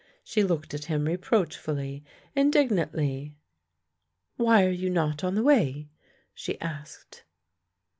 She looked at him reproachfully, indignantly. " Why are you not on the way? " she asked.